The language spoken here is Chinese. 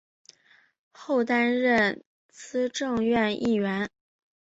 后担任资政院议员。